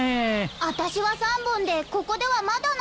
あたしは３本でここではまだなの。